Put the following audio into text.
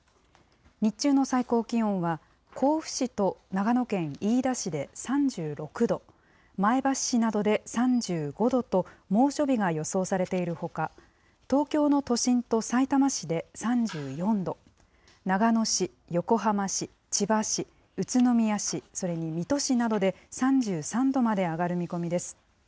日中の最高気温は、甲府市と長野県飯田市で３６度、前橋市などで３５度と、猛暑日が予想されているほか、東京の都心とさいたま市で３４度、長野市、横浜市、千葉市、宇都宮市、それに水戸市などで３３度まで上がる見込みです。